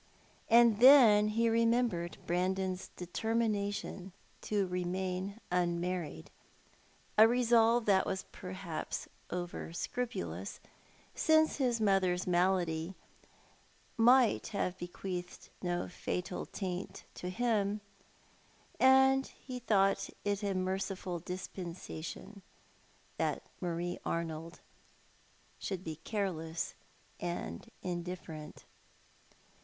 And then he remembered Brandon's determination to remain unmarried — a resolve that was perhaps over scrui^ulous, since his raother's malady might have be qi; eathed no fatal taint to him, — and he thought it a merciful dispensation that Marie Arnold should be careless and indifferent.